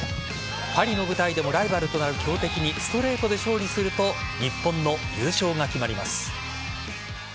パリの舞台でもライバルとなる強敵にストレートで勝利すると日本の優勝が決まります。